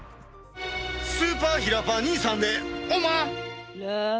スーパーひらパー兄さんでおま！